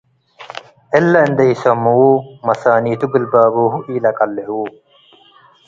እለ እንዴ ኢሰመው መሳኒቱ ግልባቦሁ ኢለአቀልዕዉ ።